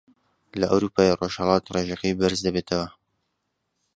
لە ئەورووپای ڕۆژهەڵات ڕێژەکەی بەرز دەبێتەوە